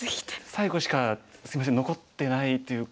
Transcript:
最後しかすいません残ってないというか。